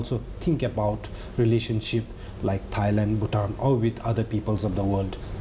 และสมมุติว่าข้อมูลเรื่องเกี่ยวสิทธิ์อย่างไทยบุธัณฑ์หรือมีคนที่อื่นในโลก